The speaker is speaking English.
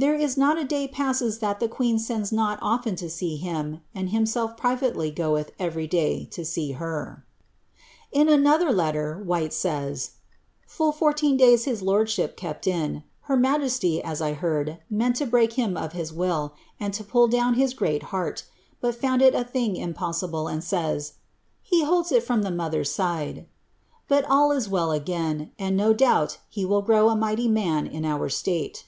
TrifP is not a day passes that Ihe queen sends not often to see him. and !uii> self privately goeth every day to see her." In another letter, U'hyte says, '• Full fourteen days his lordship !>*?i in ; her majesty, as I heard, meant to break him of his will, and to J"^'' down his great heart, but found it a thing impossible, and sav^. 'i'' holds it from the mother's side ;' but all is well again, and no douii; '■•' will grow a mighty man in our slate."